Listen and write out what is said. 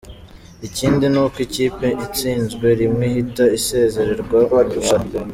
Ikindi ni uko ikipe itsinzwe rimwe ihita isezererwa mu irushanwa.